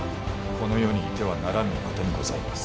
この世にいてはならぬお方にございます。